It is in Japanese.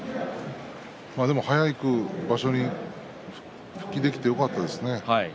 でも早く場所に復帰できてよかったですね。